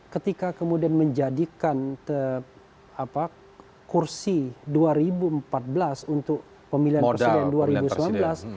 ketika kemudian menjadikan kursi dua ribu empat belas untuk pemilihan presiden dua ribu sembilan belas